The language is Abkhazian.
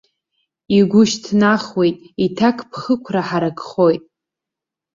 Игәы шьҭнахуеит, иҭакԥхықәра ҳаракхоит.